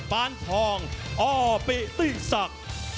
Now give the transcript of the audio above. บานทองอปิติสัก